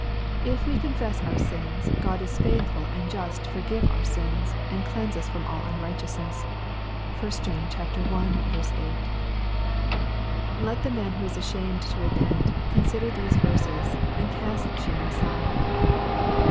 " If we confess our sins, God is faithful and just to fur >^ give our sins, and cleanse us from all unrighteousness." ^ (1 John i. 8.) Let the man who is ashamed to repent, consider these verses, and cast shame aside.